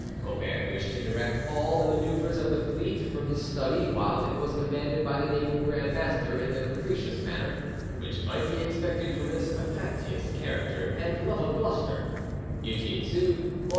Colbert wished to direct all the manoeuvres of the fleet from his study, while it was commanded by the naval grandmaster in the capricious manner which might be expected from his factious character and love of bluster (Eugene Sue, vol.